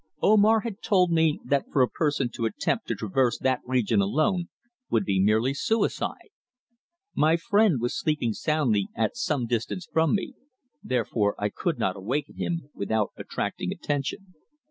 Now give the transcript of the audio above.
Omar had told me that for a person to attempt to traverse that region alone would be merely suicide. My friend was sleeping soundly at some distance from me, therefore I could not awaken him without attracting attention.